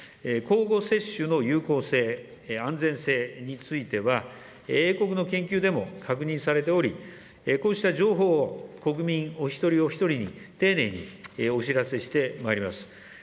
交互接種の有効性、安全性については、英国の研究でも確認されており、こうした情報を国民お一人お一人に丁寧にお知らせしてまいります。